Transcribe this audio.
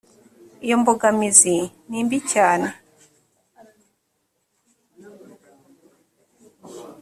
iyo mbogamizi nimbicyane.